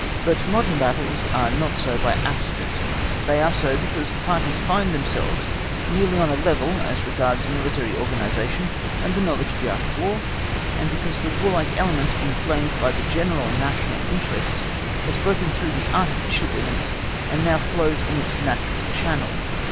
But modern battles are not so by accident; they are so because the parties find themselves nearly on a level as regards military organisation and the knowledge of the Art of War, and because the warlike element inflamed by great national interests has broken through artificial limits and now flows in its natural channel.